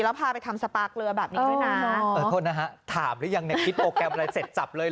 แล้วพาไปทำสปาเกลือแบบนี้ด้วยนะเออโทษนะฮะถามหรือยังเนี่ยคิดโปรแกรมอะไรเสร็จจับเลยเห